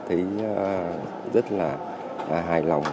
thấy rất là hài lòng